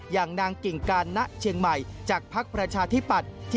ยังนางกิ่งการนะเชียงใหม่จากภาคประชาธิปัศน์